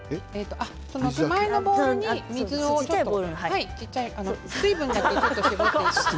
前のボウルに水を水分だけ絞ってください。